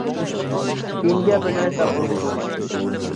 كېيىنگە بىر نەرسە دەپ بولغىلى بولمايدۇ.